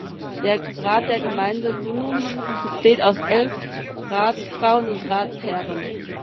Der Rat der Gemeinde Dunum besteht aus elf Ratsfrauen und Ratsherren.